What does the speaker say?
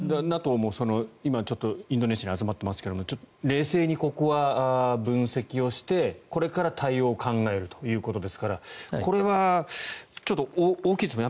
ＮＡＴＯも今インドネシアに集まっていますが冷静にここは分析をしてこれから対応を考えるということですからこれは大きいですよね。